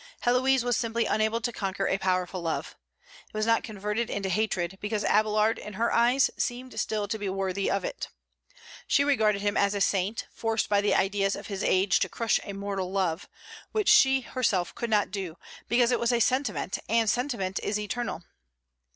Héloïse was simply unable to conquer a powerful love. It was not converted into hatred, because Abélard, in her eyes, seemed still to be worthy of it. She regarded him as a saint, forced by the ideas of his age to crush a mortal love, which she herself could not do, because it was a sentiment, and sentiment is eternal.